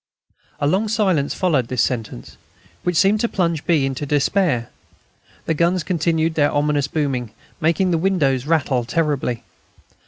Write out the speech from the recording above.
A long silence followed this sentence, which seemed to plunge B. into despair. The guns continued their ominous booming, making the windows rattle terribly.